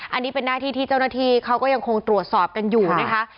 อันนี้เป็นหน้าที่ที่เจ้าหน้าที่เขาก็ยังคงตรวจสอบกันอยู่นะคะ